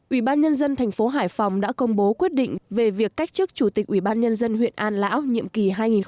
ủy ban nhân dân thành phố hải phòng đã công bố quyết định về việc cách chức chủ tịch ủy ban nhân dân huyện an lão nhiệm kỳ hai nghìn một mươi sáu hai nghìn hai mươi một